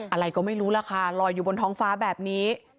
อะไรก็ไม่รู้ล่ะค่ะลอยอยู่บนท้องฟ้าแบบนี้